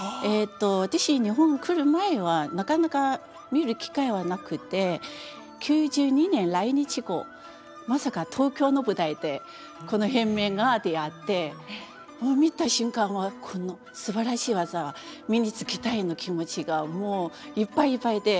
私日本来る前はなかなか見る機会はなくて９２年来日後まさか東京の舞台でこの変面が出会ってもう見た瞬間はこのすばらしい技は身につけたいの気持ちがもういっぱいいっぱいで。